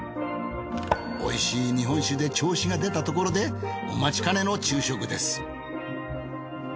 おいしい日本酒で調子が出たところでお待ちかねの昼食です。